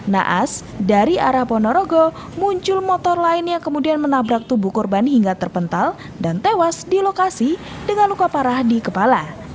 naas dari arah ponorogo muncul motor lain yang kemudian menabrak tubuh korban hingga terpental dan tewas di lokasi dengan luka parah di kepala